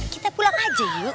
kita pulang aja yuk